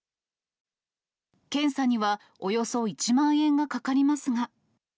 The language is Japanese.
検査にはおよそ１万円がかかりますが。